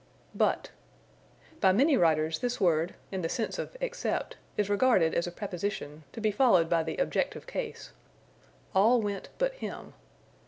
But. By many writers this word (in the sense of except) is regarded as a preposition, to be followed by the objective case: "All went but him."